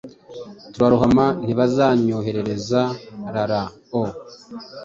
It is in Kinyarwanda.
turarohama Ntibazanyohereze rara o